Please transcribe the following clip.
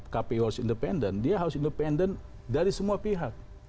kpu harus independen dia harus independen dari semua pihak